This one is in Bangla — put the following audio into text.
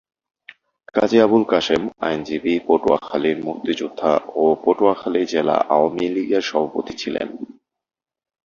কাজী আবুল কাশেম আইনজীবী, পটুয়াখালীর মুক্তিযুদ্ধা ও পটুয়াখালী জেলা আওয়ামী লীগের সভাপতি ছিলেন।